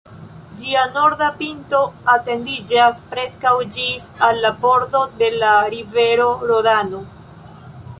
Ĝia norda pinto etendiĝas preskaŭ ĝis al la bordo de la rivero Rodano.